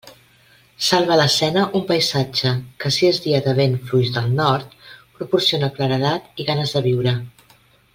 Salva l'escena un paisatge, que si és dia de vent fluix del nord, proporciona claredat i ganes de viure.